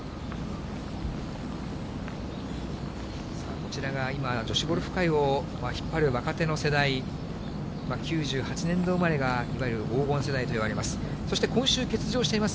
こちらが今、女子ゴルフ界を引っ張る若手の世代、９８年度生まれが、いわゆる黄金世代といわれます。